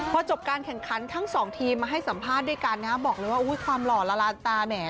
พอจบการแข่งขันทั้งสองทีมมาให้สัมภาษณ์ด้วยกันนะฮะบอกเลยว่าอุ้ยความหล่อละลานตาแหม